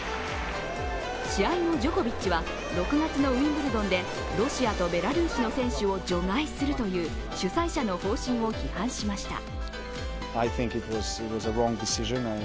試合後、ジョコビッチは６月のウィンブルドンでロシアとベラルーシの選手を除外するという主催者の方針を批判しました。